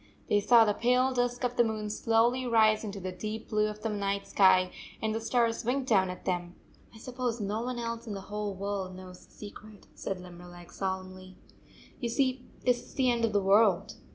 They saw the pale disk of the moon slowly rise into the deep blue of the night sky, and the stars wink down at them. " I suppose no one else in the whole world knows the secret," said Limberleg solemnly. "You see this is the end of the world.